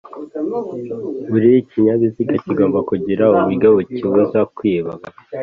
buri kinyabiziga kigomba kugira uburyo bukibuza kwibwa